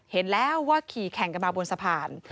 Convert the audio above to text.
เห็นแล้วว่าขี่แข่งกันมาบนสะพาน